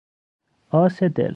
آس دل